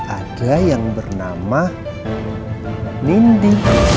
ada yang bernama nindi